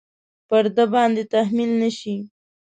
پر ده باندې تحمیل نه شي.